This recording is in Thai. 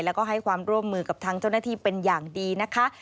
แล้วก็ให้ความร่วมมือกับทางเจ้าหน้าที่เป็นอย่างดีนะคะ